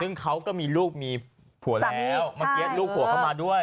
ซึ่งเขาก็มีลูกมีผัวแล้วเมื่อกี้ลูกผัวเข้ามาด้วย